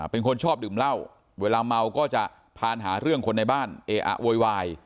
เป็นคนชอบดื่มเหล้าเวลาเมาก็จะผ่านหาเรื่องคนในบ้านเออะโวยวาย